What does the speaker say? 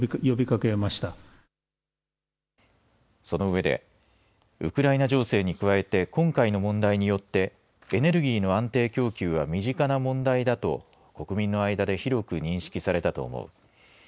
その上でウクライナ情勢に加えて今回の問題によってエネルギーの安定供給は身近な問題だと国民の間で広く認識されたと思う。